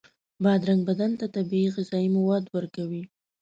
بادرنګ بدن ته طبیعي غذایي مواد ورکوي.